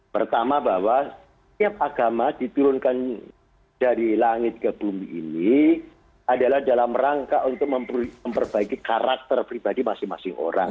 pertama bahwa setiap agama diturunkan dari langit ke bumi ini adalah dalam rangka untuk memperbaiki karakter pribadi masing masing orang